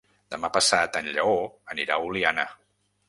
Demà passat en Lleó anirà a Oliana.